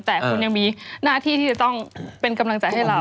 แต่คุณยังมีหน้าที่ที่จะต้องเป็นกำลังใจให้เรา